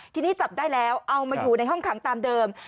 ทีนี้จับได้แล้วเอามาอยู่ในห้องขังตามเดิม